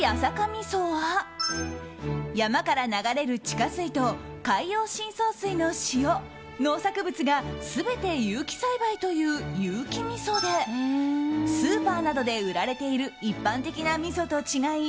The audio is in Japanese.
みそは山から流れる地下水と海洋深層水の塩農作物が全て有機栽培という有機みそでスーパーなどで売られている一般的なみそと違い